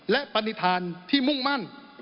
และปฏิฐานที่มุ่งมั่น